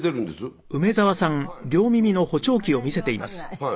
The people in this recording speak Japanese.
はい。